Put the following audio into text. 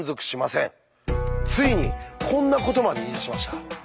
ついにこんなことまで言いだしました。